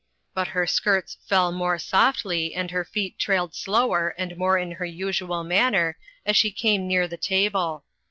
But her skirts fell more softly and her feet trailed slower and more in her usual manner as she came near the table.